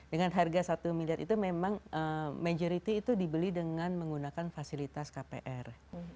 dengan harga satu miliar itu memang majority itu dibeli dengan menggunakan fasilitas kpr